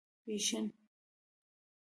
پښين